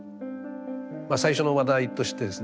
最初の話題としてですね